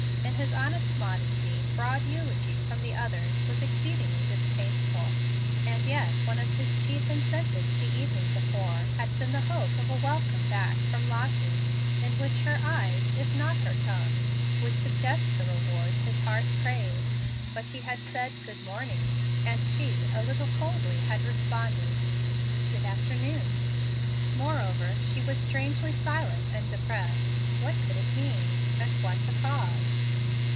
In his honest modesty, broad eulogy from the others was exceedingly distasteful; and yet one of his chief incentives the evening before had been the hope of a welcome back from Lottie, in which her eyes, if not her tongue, would suggest the reward his heart craved. But he had said "good morning," and she a little coldly had responded "good afternoon." Moreover, she was strangely silent and depressed. What could it mean? and what the cause?